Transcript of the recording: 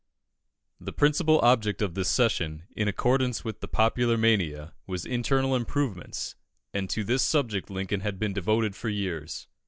The principal object of this session, in accordance with the popular mania, was internal improvements, and to this subject Lincoln had been devoted for years.